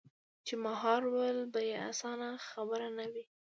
چـې مـهار ول بـه يـې اسـانه خبـره نـه وي.